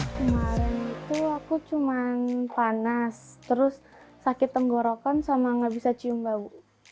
kemarin itu aku cuma panas terus sakit tenggorokan sama nggak bisa cium bau